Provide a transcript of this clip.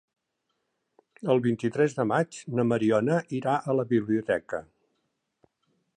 El vint-i-tres de maig na Mariona irà a la biblioteca.